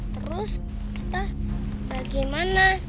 terus kita bagaimana